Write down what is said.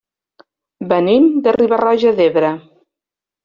Venim de Riba-roja d'Ebre.